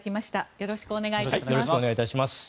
よろしくお願いします。